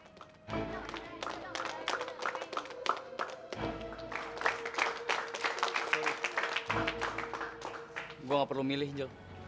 gue gak perlu milih jo